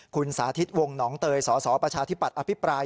คุณสาธิตวงหนองเตยสสประชาธิบัตย์อภิปราย